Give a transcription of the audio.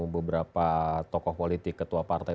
beberapa tokoh politik ketua partai